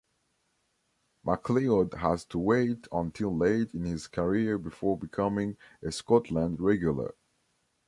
MacLeod had to wait until late in his career before becoming a Scotland regular.